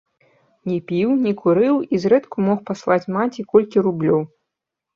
Не піў, не курыў і зрэдку мог паслаць маці колькі рублёў.